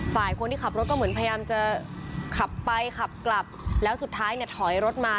ฝ่ายผู้หญิงจะกำลังขับรถกลับหยุดรถมา